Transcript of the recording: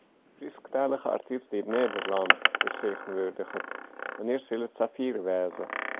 In Frysktalige artyst dy’t Nederlân fertsjintwurdiget: wannear sil it safier wêze?